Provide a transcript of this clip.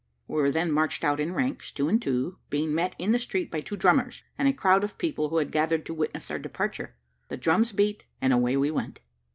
We were then marched out in ranks, two and two, being met in the street by two drummers, and a crowd of people, who had gathered to witness our departure. The drums beat and away we went.